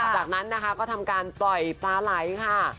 จากนั้นนะคะก็ทำการปล่อยปลาไหลค่ะ